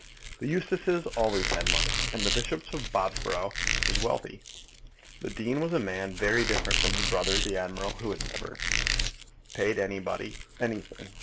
The Eustaces always had money, and the Bishop of Bobsborough was wealthy. The dean was a man very different from his brother the admiral, who had never paid anybody anything.